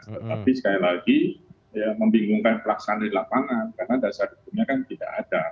tetapi sekali lagi membingungkan pelaksanaan di lapangan karena dasar hukumnya kan tidak ada